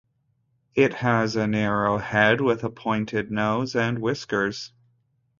It has a narrow head with a pointed nose, and whiskers.